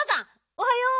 おはよう。